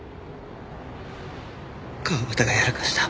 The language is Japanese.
川端がやらかした。